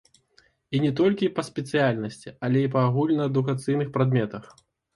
І не толькі па спецыяльнасці, але і па агульнаадукацыйных прадметах.